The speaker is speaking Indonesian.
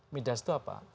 midas itu apa